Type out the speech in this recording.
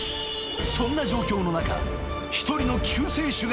［そんな状況の中一人の救世主が現れる］